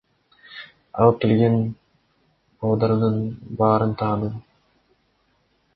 Алып келген балдардын баарын тааныйм.